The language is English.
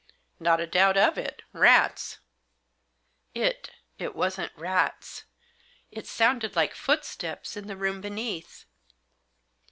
" Not a doubt of it— rats." "It — it wasn't rats. It sounded like footsteps in the room beneath."